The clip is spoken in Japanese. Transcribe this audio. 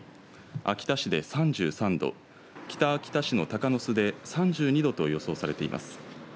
秋田市で３３度北秋田市の鷹巣で３２度と予想されています。